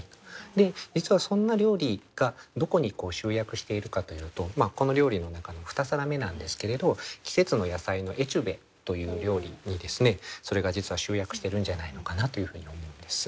実はそんな料理がどこに集約しているかというとこの料理の中の２皿目なんですけれど「季節の野菜のエチュベ」という料理にそれが実は集約してるんじゃないのかなというふうに思うんです。